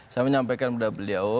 saya menyampaikan kepada beliau